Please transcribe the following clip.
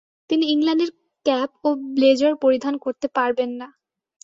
তিনি ইংল্যান্ডের ক্যাপ ও ব্লেজার পরিধান করতে পারবেন না।